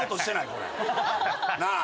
これ。なあ？